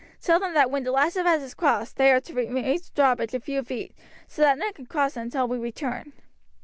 Tell them that when the last of us have crossed they are to raise the drawbridge a few feet, so that none can cross it until we return."